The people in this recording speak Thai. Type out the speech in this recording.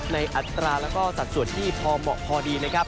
อัตราแล้วก็สัดส่วนที่พอเหมาะพอดีนะครับ